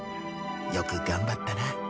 よく頑張ったな。